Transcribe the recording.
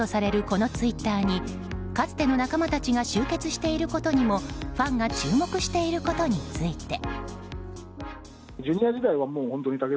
このツイッターにかつての仲間たちが集結していることにもファンが注目していることについて。